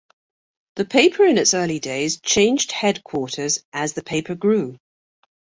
The paper in its early days changed headquarters as the paper grew.